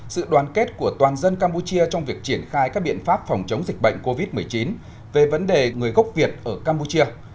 sự đoàn kết của toàn dân campuchia trong việc triển khai các biện pháp phòng chống dịch bệnh covid một mươi chín về vấn đề người gốc việt ở campuchia